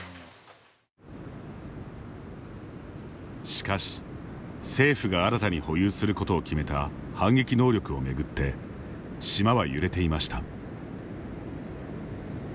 しかし、政府が新たに保有することを決めた反撃能力を巡って島は揺れていました。